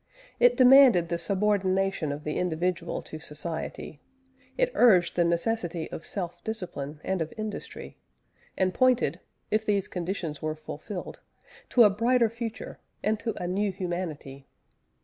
It demanded the subordination of the individual to society, it urged the necessity of self discipline and of industry, and pointed (if these conditions were fulfilled) to a brighter future, and to a new humanity.